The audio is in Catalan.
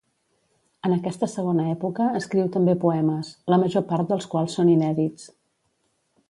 En aquesta segona època escriu també poemes, la major part dels quals són inèdits.